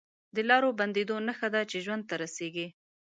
د لارو بندېدو نښه ده چې ژوند ته رسېږي